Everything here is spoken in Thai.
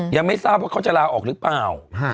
ยังไม่ทราบว่าเขาจะลาออกหรือเปล่า